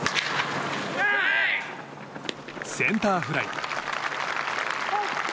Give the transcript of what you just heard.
センターフライ。